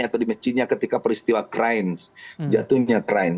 atau di mesjinya ketika peristiwa jatuhnya krim